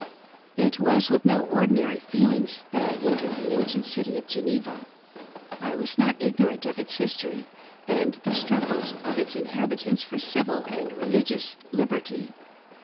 It was with no ordinary feelings that I entered the ancient city of Geneva. I was not ignorant of its history and the struggles of its inhabitants for civil and religious liberty.